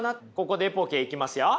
ここでエポケーいきますよ。